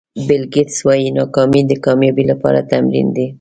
بیل ګېټس وایي ناکامي د کامیابۍ لپاره تمرین دی.